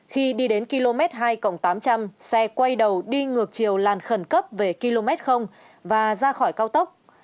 khi đi đến km hai tám trăm linh xe quay đầu đi ngược chiều làn khẩn cấp về km và ra khỏi cao tốc